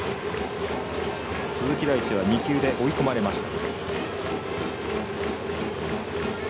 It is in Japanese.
鈴木大地は２球で追い込まれました。